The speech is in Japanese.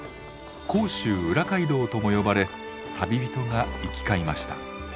甲州裏街道とも呼ばれ旅人が行き交いました。